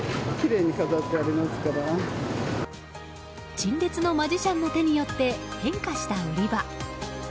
陳列のマジシャンの手によって変化した売り場。